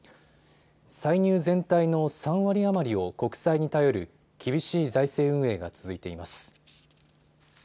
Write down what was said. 歳入全体の３割余りを国債に頼る厳しい財政運営が続いています。